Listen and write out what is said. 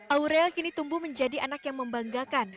aurel kini tumbuh menjadi anak yang membanggakan